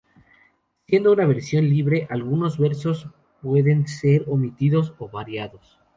Siendo una versión libre, algunos versos pueden ser omitidos o variados.